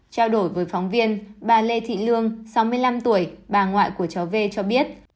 trao đổi với phóng viên bà lê thị lương sáu mươi năm tuổi bà ngoại của cháu v cho biết